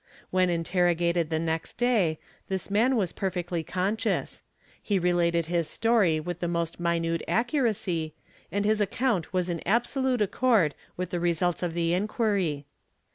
When interrogated the next day this man was perfectly conscious; he related his story with the most minute accuracy, and his account was in absolute accord with the results of the enquiry.